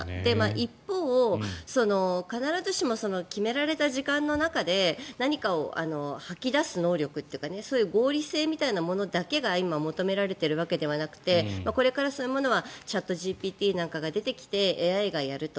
一方必ずしも決められた時間の中で何かを吐き出す能力というかそういう合理性みたいなものだけが今、求められているわけではなくてこれからそういうものはチャットＧＰＴなんかが出てきてＡＩがやると。